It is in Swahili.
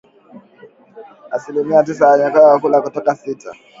Asilimia tisa mwezi Julai kutoka sita.